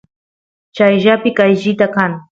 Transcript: chayllapi qayllita kan